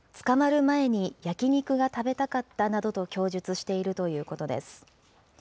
捕まる前に焼き肉が食べたかったなどと供述しているということです。